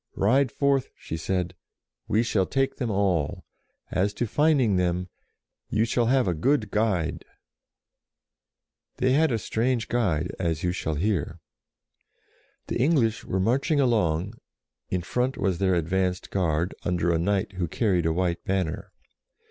"Ride forth," she said; "we shall take them all. As to finding them, you shall have a good guide !" They had a strange guide, as you shall hear. DEFEATS THE ENGLISH 59 The English were marching along, in front was their advanced guard, under a knight who carried a white banner.